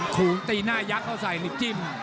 ขู่ตีหน้ายักษ์เข้าใส่นี่จิ้ม